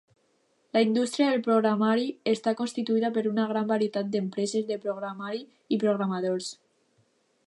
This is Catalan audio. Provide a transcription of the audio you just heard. La indústria del programari està constituïda per una gran varietat d'empreses de programari i programadors.